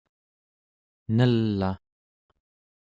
nel'aᵉ